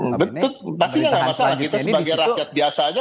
pastinya gak masalah kita sebagai rakyat biasa aja